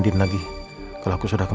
ada suatu hal yang harus saya lakukan